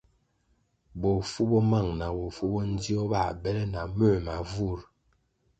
Bofu bo mang na bo bo ndzio bā bele na muē ma vur.